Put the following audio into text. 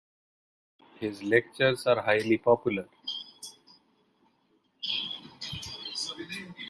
His lectures are highly popular.